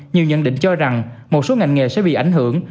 nhiều nhận định cho rằng một số ngành nghề sẽ bị ảnh hưởng